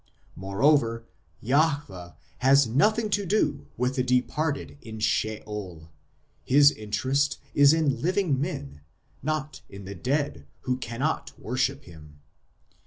Moreover, Jahwe has nothing to do with the departed in Sheol ; His interest is in living men, not in the dead who cannot worship Him.